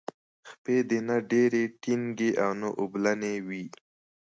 خپې دې نه ډیرې ټینګې او نه اوبلنې وي.